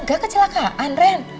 masa gak kecelakaan ren